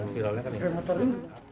dan itu kan itu